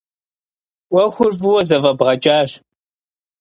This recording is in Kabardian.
ӏуэхур фӏыуэ зэфӏэбгъэкӏащ.